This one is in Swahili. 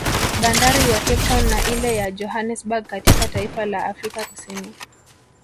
Bandari ya Cape town na ile ya Johanesberg katika taifa ka Afrika Kusini